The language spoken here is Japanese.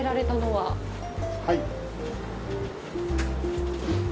はい。